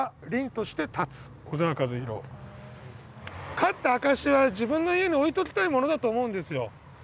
勝った証しは自分の家に置いときたいものだと思うんですよ。